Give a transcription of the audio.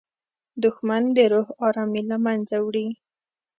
دښمن د روح ارامي له منځه وړي